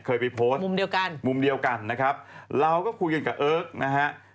เคยไปโพสต์มุมเดียวกันนะครับเราก็คุยกันกับเอิ๊กนะฮะ